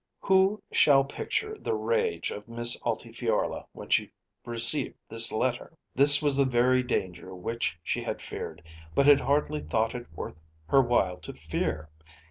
Who shall picture the rage of Miss Altifiorla when she received this letter? This was the very danger which she had feared, but had hardly thought it worth her while to fear.